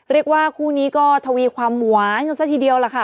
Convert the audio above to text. เรียกว่าครูนี้ก็ทวีความหวานตั้งสักทีเดียวแหละค่ะ